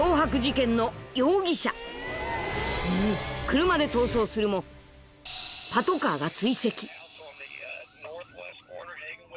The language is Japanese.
［車で逃走するもパトカーが追跡］